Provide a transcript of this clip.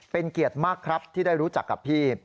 เป็นเกียรติมากครับที่ได้รู้จักกับพี่